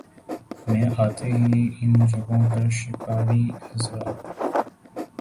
میں آتے ہیں ان جگہوں پر شکاری حضرات